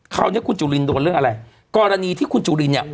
คราวนี้คุณจุลินโดนเรื่องอะไรกรณีที่คุณจุลินเนี่ย